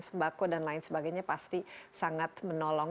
sembako dan lain sebagainya pasti sangat menolong